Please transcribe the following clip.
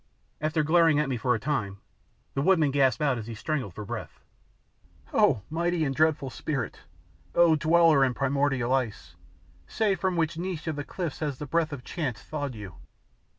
After glaring at me for a time, the woodman gasped out as he struggled for breath "Oh, mighty and dreadful spirit! Oh, dweller in primordial ice, say from which niche of the cliffs has the breath of chance thawed you?"